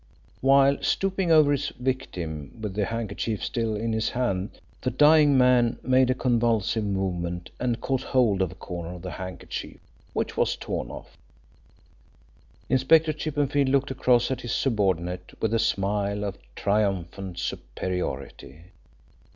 While stooping over his victim with the handkerchief still in his hand, the dying man made a convulsive movement and caught hold of a corner of the handkerchief, which was torn off." Inspector Chippenfield looked across at his subordinate with a smile of triumphant superiority.